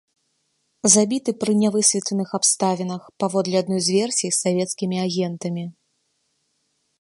Забіты пры нявысветленых абставінах, паводле адной з версій, савецкімі агентамі.